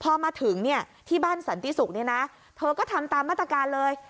พอมาถึงเนี่ยที่บ้านสันติศุกร์เนี่ยนะเธอก็ทำตามมาตรการเลย